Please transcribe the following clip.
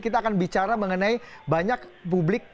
kita akan bicara mengenai banyak publik